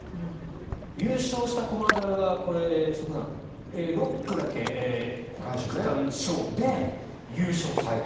優勝した駒澤が瀬古さん６区だけ区間賞で優勝すると。